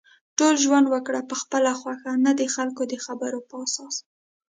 ژوند وکړه په خپله خوښه نه دخلکو دخبرو په اساس